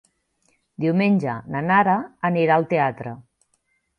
Diumenge na Nara anirà al teatre.